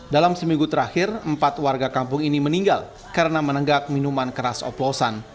dalam seminggu terakhir empat warga kampung ini meninggal karena menenggak minuman keras oplosan